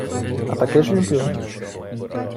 — А таки ж люблю.